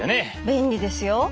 便利ですよ。